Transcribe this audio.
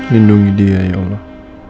lindungi dia ya allah